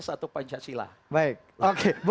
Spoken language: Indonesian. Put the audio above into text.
satu pancasila baik oke